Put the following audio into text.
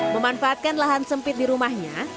memanfaatkan lahan sempit di rumahnya